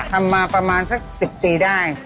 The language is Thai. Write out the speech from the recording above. ทำมาประมาณสัก๑๐ปีได้